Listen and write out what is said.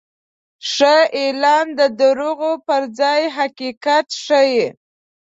ښه اعلان د دروغو پر ځای حقیقت ښيي.